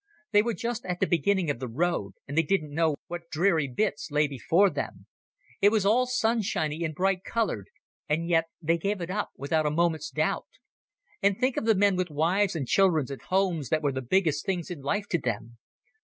They were just at the beginning of the road, and they didn't know what dreary bits lay before them. It was all sunshiny and bright coloured, and yet they gave it up without a moment's doubt. And think of the men with wives and children and homes that were the biggest things in life to them.